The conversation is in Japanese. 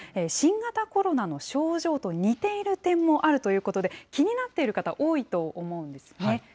新型コロナの症状と似ている点もあるということで、気になっている方、多いと思うんですね。